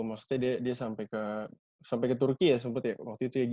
maksudnya dia sampai ke turki ya sempat ya waktu itu ya